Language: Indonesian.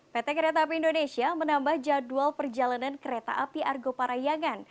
pt kereta api indonesia menambah jadwal perjalanan kereta api argo parayangan